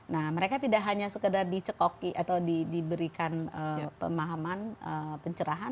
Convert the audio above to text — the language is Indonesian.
nah mereka tidak hanya sekedar dicekoki atau diberikan pemahaman pencerahan